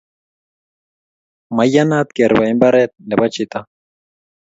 Maiyanat kerwae mbaret nebo chito